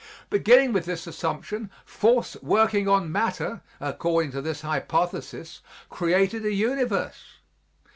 Beginning with this assumption, force working on matter according to this hypothesis created a universe.